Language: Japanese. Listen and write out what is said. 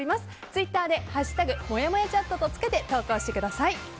ツイッターで「＃もやもやチャット」とつけて投稿してください。